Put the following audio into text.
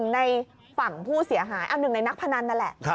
๑ในฝั่งผู้เสียหาย๑ในนักพนันนั่นแหละ